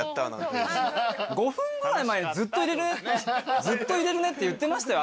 ５分ぐらい前にずっといれるねって言ってましたよ